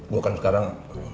gue kan sekarang